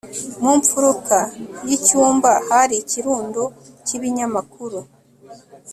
mu mfuruka y'icyumba hari ikirundo cy'ibinyamakuru